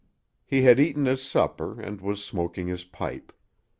He had eaten his supper, and was smoking his pipe.